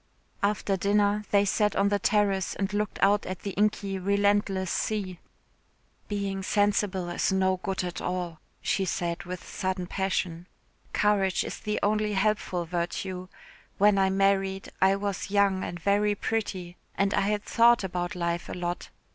After dinner they sat on the terrace and looked out at the inky relentless sea. "Being sensible is no good at all," she said with sudden passion. "Courage is the only helpful virtue; when I married I was young and very pretty and I had thought about life a lot.